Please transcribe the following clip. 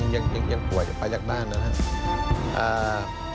ยังกลัวอยู่ไปจากบ้านนะครับ